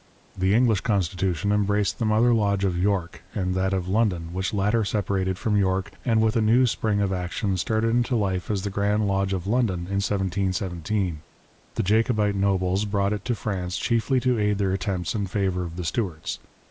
The English constitution embraced the Mother Lodge of York and that of London, which latter separated from York, and with a new spring of action started into life as the Grand Lodge of London in 1717. The Jacobite nobles brought it to France chiefly to aid their attempts in favour of the Stuarts.